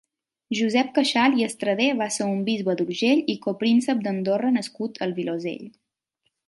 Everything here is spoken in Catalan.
Josep Caixal i Estradé va ser un bisbe d'Urgell i Copríncep d'Andorra nascut al Vilosell.